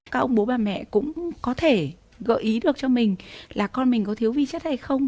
các ông bố bà mẹ cũng có thể gợi ý được cho mình là con mình có thiếu vi chất hay không